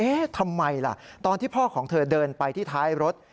ทำไมล่ะตอนที่พ่อของเธอเดินไปที่ท้ายรถ